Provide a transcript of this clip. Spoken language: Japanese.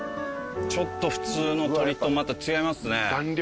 ちょっと普通の鶏とまた違いますね。